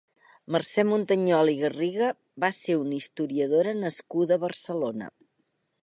Mercè Muntanyola i Garriga va ser una historiadora nascuda a Barcelona.